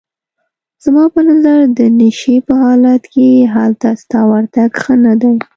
زما په نظر د نشې په حالت کې هلته ستا ورتګ ښه نه دی.